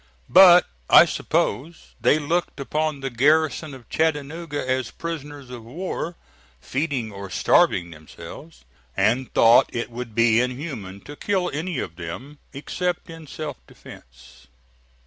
But, I suppose, they looked upon the garrison of Chattanooga as prisoners of war, feeding or starving themselves, and thought it would be inhuman to kill any of them except in self defence.